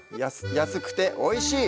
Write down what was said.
安くておいしい！